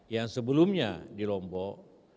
yang sebelumnya di lombok